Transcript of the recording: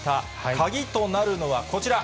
鍵となるのはこちら。